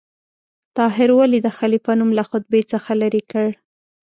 طاهر ولې د خلیفه نوم له خطبې څخه لرې کړ؟